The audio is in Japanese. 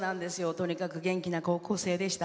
とにかく元気な高校生でした。